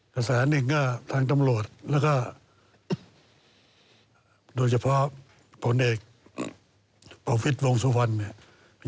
กระแสนี่ก็ทางตำรวจแล้วก็โดยเฉพาะผลเอกโปรฟิศวงศ์สุฟัน